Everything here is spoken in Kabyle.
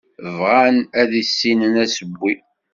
Bɣan ad issinen asewwi.